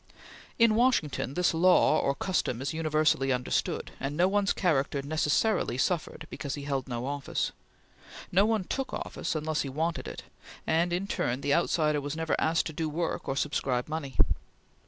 In Washington this law or custom is universally understood, and no one's character necessarily suffered because he held no office. No one took office unless he wanted it; and in turn the outsider was never asked to do work or subscribe money.